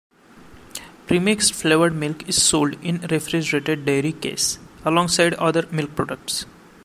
Pre-mixed flavored milk is sold in the refrigerated dairy case alongside other milk products.